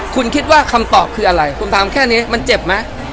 คุณคิดว่าคำตอบคืออะไรคุณถามแค่นี้มันเจ็บไหม